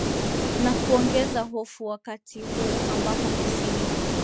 na kuongeza hofu wakati huu ambapo kusini